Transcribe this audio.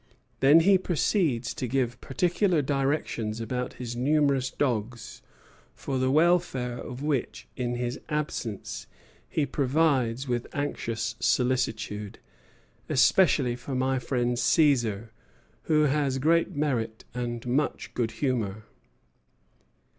Then he proceeds to give particular directions about his numerous dogs, for the welfare of which in his absence he provides with anxious solicitude, especially for "my friend Cæsar, who has great merit and much good humor."